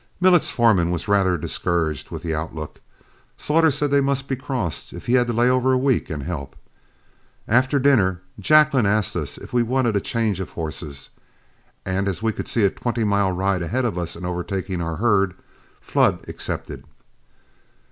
Millet's foreman was rather discouraged with the outlook, but Slaughter said they must be crossed if he had to lay over a week and help. After dinner, Jacklin asked us if we wanted a change of horses, and as we could see a twenty mile ride ahead of us in overtaking our herd, Flood accepted.